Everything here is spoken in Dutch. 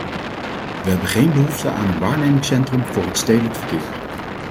We hebben geen behoefte aan een waarnemingscentrum voor het stedelijk verkeer.